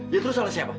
ya terus salah siapa